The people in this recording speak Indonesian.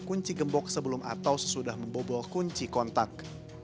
kunci gembok sebelum atau sesudah membobol kunci kontak